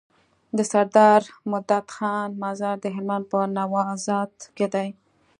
دسردار مدد خان مزار د هلمند په نوزاد کی دی